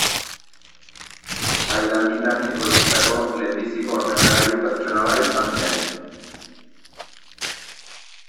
Sail handitan ekoitzitako lehenbiziko ordenagailu pertsonala izan zen.